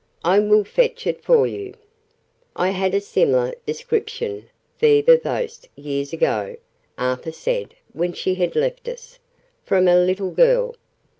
I will fetch it for you." "I had a similar description, viva voce, years ago," Arthur said when she had left us, "from a little girl.